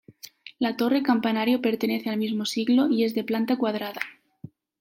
La torre-campanario pertenece al mismo siglo y es de planta cuadrada.